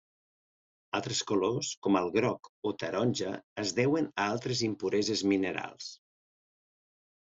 Altres colors, com el groc o taronja es deuen a altres impureses minerals.